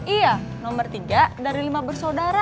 iya nomor tiga dari lima bersaudara